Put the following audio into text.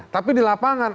tapi di lapangan